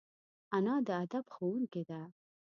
انا د ادب ښوونکې ده